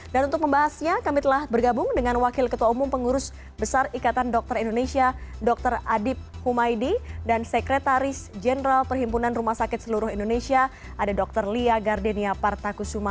untuk membahasnya kami telah bergabung dengan wakil ketua umum pengurus besar ikatan dokter indonesia dr adib humaydi dan sekretaris jenderal perhimpunan rumah sakit seluruh indonesia ada dr lia gardenia partakusuma